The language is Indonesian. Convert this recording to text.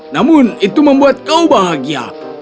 namun itu membuat kau bahagia